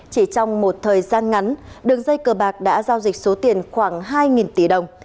chỉ trong một thời gian ngắn đường dây cờ bạc đã giao dịch số tiền khoảng hai tỷ đồng